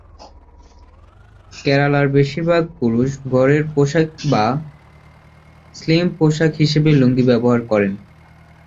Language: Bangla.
কেরালার বেশিরভাগ পুরুষ ঘরের পোশাক বা স্লিপ পোশাক হিসাবে লুঙ্গি ব্যবহার করেন।